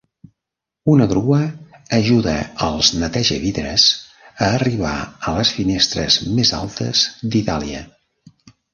Una grua ajuda als netejavidres a arribar a les finestres més altes d'Itàlia.